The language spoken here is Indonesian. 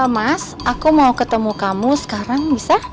mas aku mau ketemu kamu sekarang bisa